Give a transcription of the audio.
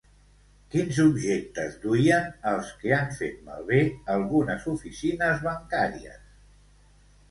Quins objectes duien els que han fet malbé algunes oficines bancàries?